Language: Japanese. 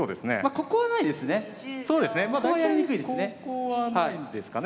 ここはやりにくいですね。